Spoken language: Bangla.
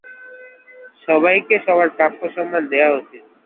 সবাইকে সবার প্রাপ্য সম্মান দেয়া উচিত।